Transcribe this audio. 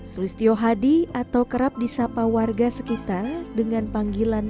swistio hadi atau kerap disapa warga swistio hadi atau kerap disapa warga swistio hadi